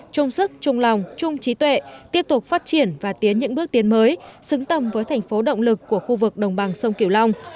trung sức trung lòng trung trí tuệ tiếp tục phát triển và tiến những bước tiến mới xứng tầm với thành phố động lực của khu vực đồng bằng sông kiểu long